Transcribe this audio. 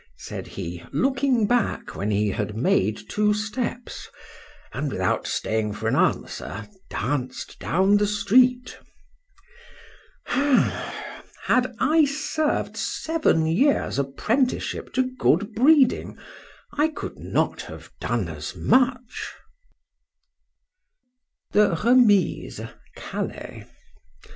—said he, looking back when he had made two steps,—and, without staying for an answer—danced down the street. Had I served seven years apprenticeship to good breeding, I could not have done as much. THE REMISE. CALAIS.